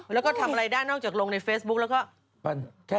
แล้วก็ทำอะไรได้นอกจากลงในเฟซบุ๊คแล้วก็เราก็ทำอะไรไม่ได้